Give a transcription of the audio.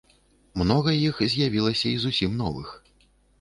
Многа іх з'явілася і зусім новых.